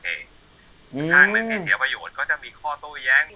ทางหนึ่งที่เสียประโยชน์ก็จะมีข้อโต้แย้ง